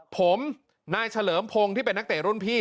ผมนายเฉลิมพงศ์ที่เป็นนักเตะรุ่นพี่